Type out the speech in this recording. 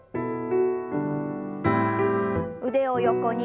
腕を横に。